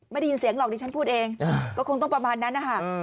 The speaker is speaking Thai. ไม่ได้ยินเสียงหรอกดิฉันพูดเองก็คงต้องประมาณนั้นนะคะ